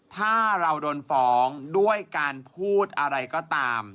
ถ้าเราโดนฟ้องด้วยการพูดอะไรก็ตาม